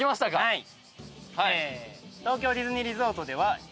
はい。